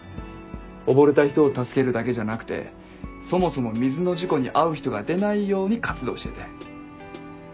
溺れた人を助けるだけじゃなくてそもそも水の事故に遭う人が出ないように活動してて。